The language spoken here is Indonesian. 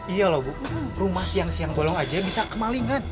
iya loh bu rumah siang siang bolong aja bisa kemalingan